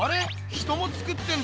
人もつくってんだ。